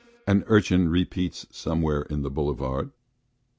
an urchin repeats somewhere on the boulevard.